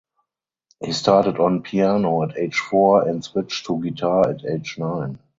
He started on piano at age four and switched to guitar at age nine.